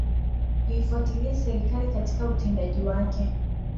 kuifuatilia serikali katika utendaji wake